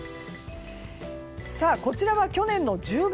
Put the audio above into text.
こちらは去年１０月。